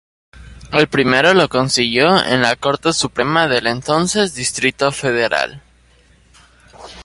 El primero lo consiguió en la Corte Suprema del entonces Distrito Federal.